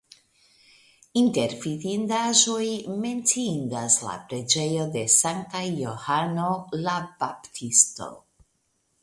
Inter vidindaĵoj menciindas la preĝejo de Sankta Johano la Baptisto.